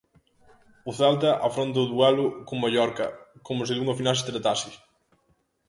O Celta afronta o duelo co Mallorca como se dunha final se tratase.